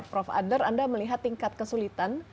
prof ader anda melihat tingkat kesulitan